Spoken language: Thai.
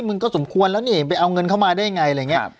มันก็สมควรแล้วนี่ไปเอาเงินเข้ามาได้ยังไงอะไรอย่างนี้